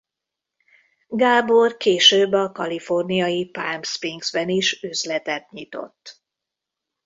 Gábor később a kaliforniai Palm Springsben is üzletet nyitott.